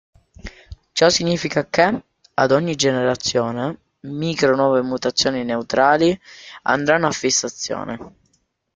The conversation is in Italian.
Ciò significa che, ad ogni generazione, µ nuove mutazione neutrali andranno a fissazione.